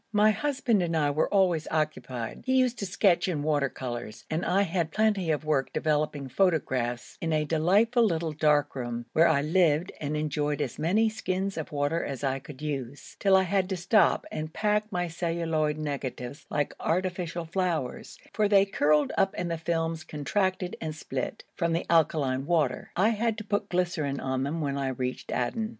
My husband and I were always occupied. He used to sketch in water colours, and I had plenty of work developing photographs in a delightful little dark room, where I lived and enjoyed as many skins of water as I could use, till I had to stop and pack my celluloid negatives like artificial flowers, for they curled up and the films contracted and split, from the alkaline water. I had to put glycerine on them when I reached Aden.